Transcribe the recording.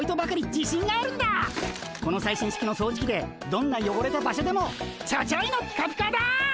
この最新式の掃除機でどんなよごれた場所でもちょちょいのピカピカだ！